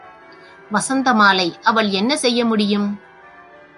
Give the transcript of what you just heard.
வசந்த மாலை அவள் என்ன செய்யமுடியும்?